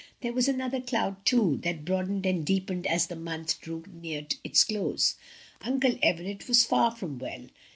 There was another cloud, too, that broadened and deepened as the month drew near its close; Uncle Everett was far from well.